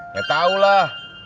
ya tau lah